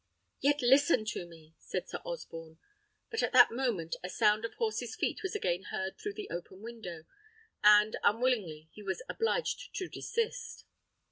"Yet listen to me," said Sir Osborne; but at that moment a sound of horses' feet was again heard through the open window, and, unwillingly, he was obliged to desist.